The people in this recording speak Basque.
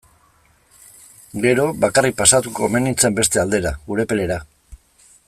Gero, bakarrik pasatuko omen nintzen beste aldera, Urepelera.